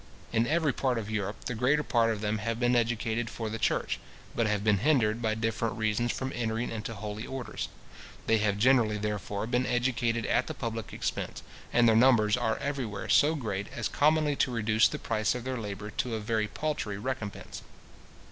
In every part of Europe, the greater part of them have been educated for the church, but have been hindered by different reasons from entering into holy orders. They have generally, therefore, been educated at the public expense; and their numbers are everywhere so great, as commonly to reduce the price of their labour to a very paltry recompence.